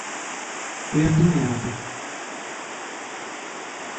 Ҡуян нимә ярата?